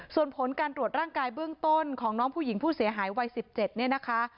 ส่วนผลการตรวจร่างกายเบื้องต้นของน้องผู้หญิงผู้เสียหายวัย๑๗เนี่ยนะคะ